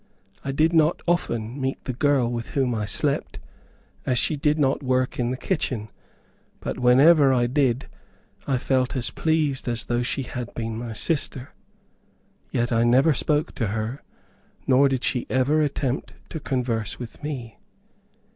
I did not often meet the girl with whom I slept, as she did not work in the kitchen, but whenever I did, I felt as pleased as though she had been my sister. Yet I never spoke to her, nor did she ever attempt to converse with me.